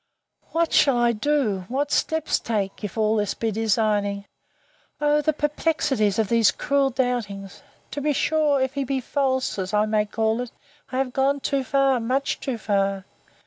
What shall I do, what steps take, if all this be designing—O the perplexities of these cruel doubtings!—To be sure, if he be false, as I may call it, I have gone too far, much too far!